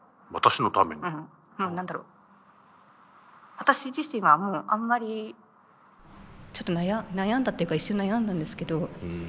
何だろう私自身はもうあんまりちょっと悩んだっていうか一瞬悩んだんですけど。